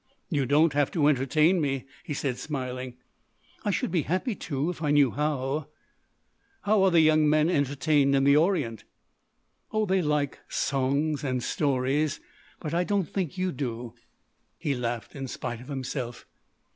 "You don't have to entertain me," he said, smiling. "I should be happy to, if I knew how." "How are young men entertained in the Orient?" "Oh, they like songs and stories. But I don't think you do." He laughed in spite of himself.